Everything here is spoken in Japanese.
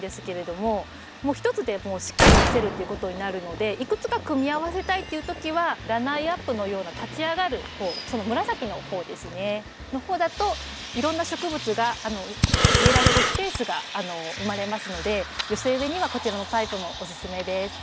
もう一つでしっかり見せるっていうことになるのでいくつか組み合わせたいっていう時はラナイアップのような立ち上がる方その紫の方ですねの方だといろんな植物が植えられるスペースが生まれますので寄せ植えにはこちらのタイプもおすすめです。